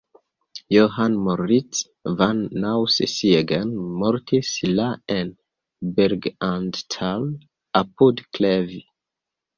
Johann Moritz von Nassau-Siegen mortis en la en "Berg und Tal" apud Kleve.